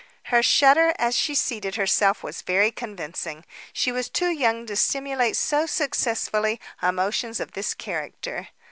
Her shudder, as she seated herself, was very convincing. She was too young to simulate so successfully emotions of this character.